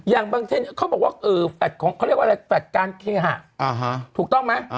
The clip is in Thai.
อย่างบางเช่นเขาบอกว่าแฟดการเคฮะถูกต้องไหม